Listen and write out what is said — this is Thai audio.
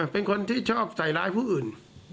เป็นคนที่ชอบใส่ร้ายผู้อื่น